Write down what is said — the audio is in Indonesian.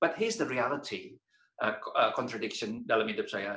tetapi inilah realitinya kontradiksi dalam hidup saya